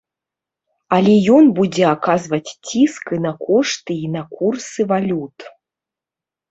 Але ён будзе аказваць ціск і на кошты і на курсы валют.